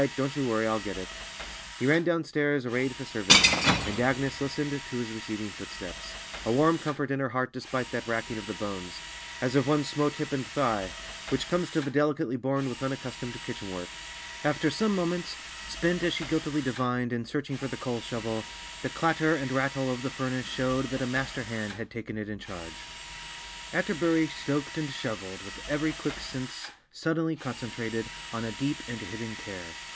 Don't you worry, I'll get it." He ran downstairs, arrayed for service, and Agnes listened to his receding footsteps, a warm comfort in her heart despite that racking of the bones, as of one "smote hip and thigh," which comes to the delicately born with unaccustomed kitchen work. After some moments—spent, as she guiltily divined, in searching for the coal shovel—the clatter and rattle of the furnace showed that a master hand had taken it in charge. Atterbury stoked and shoveled with every quick sense suddenly concentrated on a deep and hidden care.